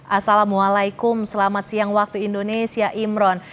assalamualaikum selamat siang waktu indonesia imron